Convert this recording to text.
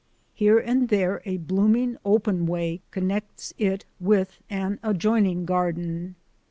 Here and there a blooming open way connects it with an adjoining garden.